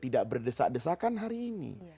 tidak berdesak desakan hari ini